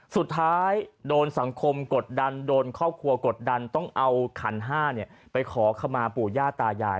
สุดท้ายโดนสังคมกดดันโดนครอบครัวกดดันต้องเอาขันห้าไปขอขมาปู่ย่าตายาย